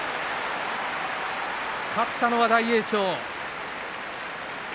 勝ったのは大栄翔。